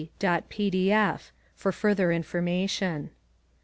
pdf], for further information.